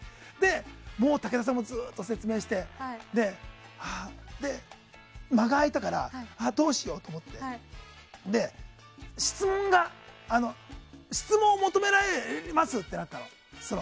もう武田さんもずっと説明して間が空いたからどうしようと思って質問を求められますってなったの。